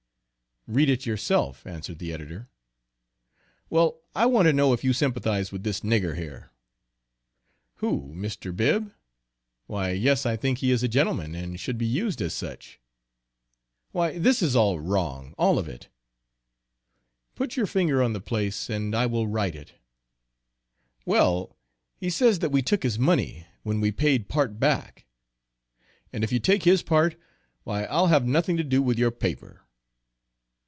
"Read it yourself," answered the editor. "Well, I want to know if you sympathize with this nigger here." "Who, Mr. Bibb? Why yes, I think he is a gentleman, and should be used as such." "Why this is all wrong all of it." "Put your finger on the place, and I will right it." "Well, he says that we took his money, when we paid part back. And if you take his part, why I'll have nothing to do with your paper."